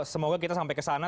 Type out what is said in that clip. semoga kita sampai ke sana